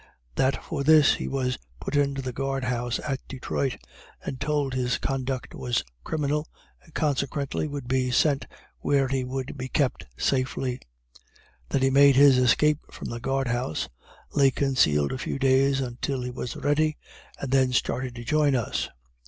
That for this he was put into the guard house at Detroit, and told his conduct was criminal, and consequently would be sent where he would be kept safely; that he made his escape from the guard house lay concealed a few days until he was ready and then started to join us.